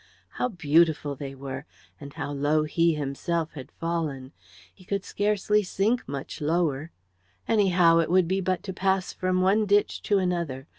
How beautiful they were! And how low he himself had fallen! He could scarcely sink much lower. Anyhow, it would be but to pass from one ditch to another.